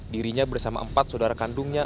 dirinya bersama empat saudara kandungnya